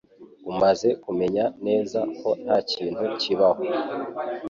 Umaze kumenya neza ko ntakintu kibaho